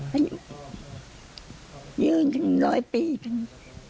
ให้อยู่เยื่อนถึงร้อยปีถึง